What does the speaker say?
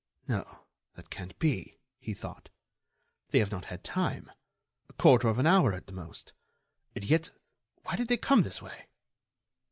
"No, that can't be," he thought, "they have not had time. A quarter of an hour at the most. And yet, why did they come this way?"